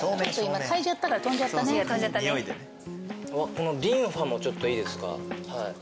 このＬＩＮＦＡもちょっといいですか？